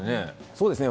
そうですね。